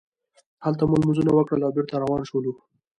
هلته مو لمونځونه وکړل او بېرته روان شولو.